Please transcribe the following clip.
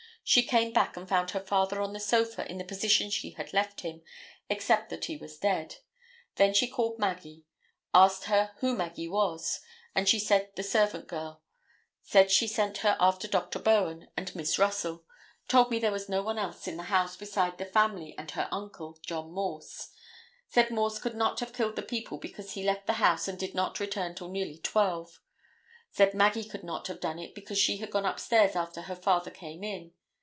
She came back and found her father on the sofa in the position she had left him, except that he was dead; she then called Maggie; asked her who Maggie was, and she said the servant girl; said she sent her after Dr. Bowen and Miss Russell; told me there was no one else in the house beside the family and her uncle, John Morse; said Morse could not have killed the people because he left the house and did not return till nearly 12; said Maggie could not have done it, because she had gone upstairs after her father came in.